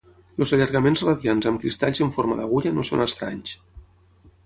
Els allargaments radiants amb cristalls en forma d'agulla no són estranys.